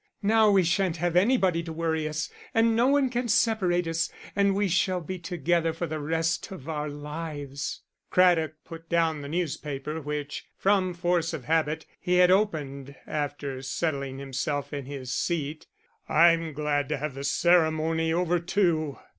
Now we shan't have anybody to worry us, and no one can separate us, and we shall be together for the rest of our lives." Craddock put down the newspaper, which, from force of habit, he had opened after settling himself in his seat. "I'm glad to have the ceremony over too."